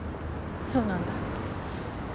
そうなんだ。